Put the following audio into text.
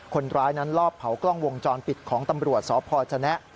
คนร้ายนั้นลอบเผากล้องวงจรปิดของตำรวจสพชนะ